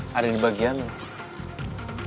soalnya dia keburu keburu gitu